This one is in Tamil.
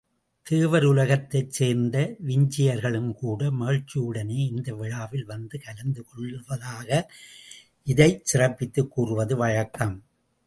தேவருலகத்தைச் சேர்ந்த விஞ்சையர்களும்கூட மகிழ்ச்சியுடனே இந்த விழாவில் வந்து கலந்து கொள்வதாக இதைச் சிறப்பித்துக் கூறுவது வழக்கம்.